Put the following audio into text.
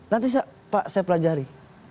nanti pak saya pelajari